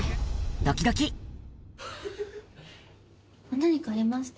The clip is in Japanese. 何かありました？